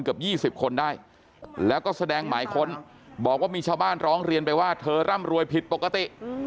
เกือบ๒๐คนได้แล้วก็แสดงหมายค้นบอกว่ามีชาวบ้านร้องเรียนไปว่าเธอร่ำรวยผิดปกติ